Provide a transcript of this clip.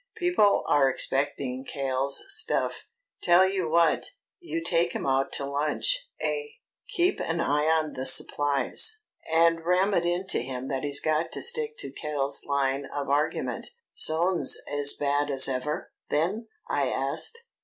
People are expecting Cal's stuff. Tell you what: you take him out to lunch, eh? Keep an eye on the supplies, and ram it into him that he's got to stick to Cal's line of argument." "Soane's as bad as ever, then?" I asked.